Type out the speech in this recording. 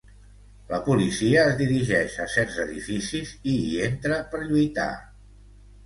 La policia es dirigeix a certs edificis i hi entra per lluitar.